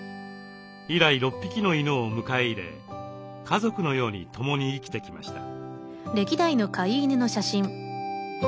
以来６匹の犬を迎え入れ家族のように共に生きてきました。